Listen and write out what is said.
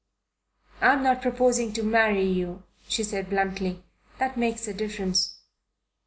"I'm not proposing to marry you," she said bluntly. "That makes a difference."